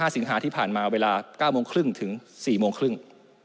สิงหาที่ผ่านมาเวลา๙โมงครึ่งถึง๔โมงครึ่ง